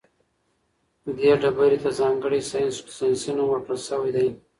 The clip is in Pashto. دې ډبرې ته ځانګړی ساینسي نوم ورکړل شوی دی.